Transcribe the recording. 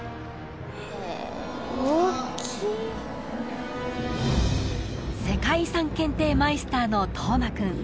へえ世界遺産検定マイスターの登眞君